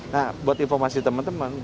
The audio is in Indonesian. nah buat informasi teman teman